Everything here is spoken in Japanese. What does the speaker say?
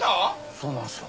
そうなんすよ。